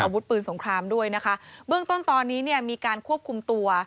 อาวุธปืนสงครามด้วยนะคะเบื้องต้นตอนนี้เนี่ยมีการควบคุมตัว